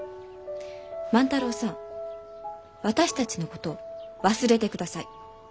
万太郎さん私たちのこと忘れてください。